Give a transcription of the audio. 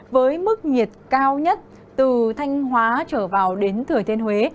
với mức nhiệt cao nhất từ thanh hóa trở vào đến thừa thiên huế